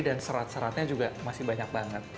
dan serat seratnya juga masih banyak banget